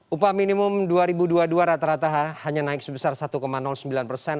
upah minimum dua ribu dua puluh dua rata rata hanya naik sebesar satu sembilan persen